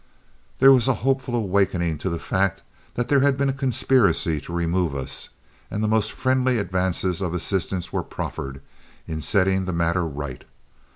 There was a hopeful awakening to the fact that there had been a conspiracy to remove us, and the most friendly advances of assistance were proffered in setting the matter right.